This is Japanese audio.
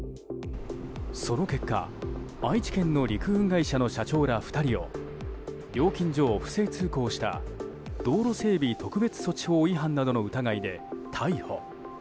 その結果愛知県の陸運会社の社長ら２人を料金所を不正通行した道路整備特別措置法違反などの疑いで逮捕。